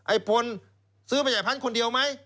ไอ้พนธุ์ซื้อมาจากไอ้พันธุ์คนเดียวไหม